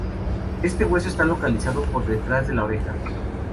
Este hueso está localizado por detrás de la oreja.